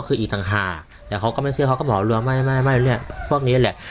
คืออีกทางหาแต่เขาก็ไม่เชื่อเขาก็หมอบรวมไม่พวกนี้แหละ